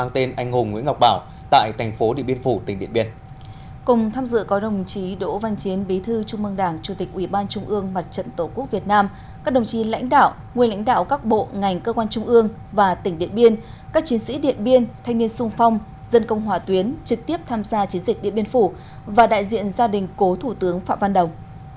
trực tiếp tham gia chiến dịch điện biên phủ và đại diện gia đình cố thủ tướng phạm văn đồng